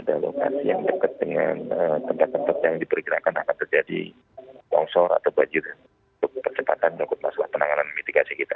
ada lokasi yang dekat dengan tempat tempat yang diperkirakan akan terjadi longsor atau banjir untuk percepatan cukup masalah penanganan mitigasi kita